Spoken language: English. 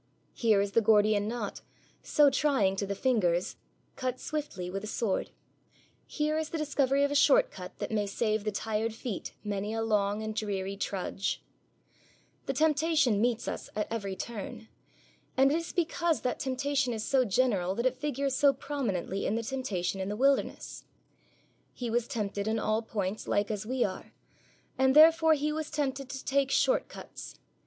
Here is the Gordian knot, so trying to the fingers, cut swiftly with a sword. Here is the discovery of a short cut that may save the tired feet many a long and dreary trudge. The temptation meets us at every turn. And it is because that temptation is so general that it figures so prominently in the Temptation in the wilderness. He was tempted in all points like as we are; and therefore He was tempted to take short cuts.